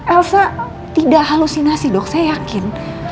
elsa tidak halusinasi dok saya yakin